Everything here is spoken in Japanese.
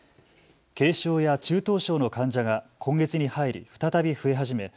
軽症や中等症の患者が今月に入り再び増え始め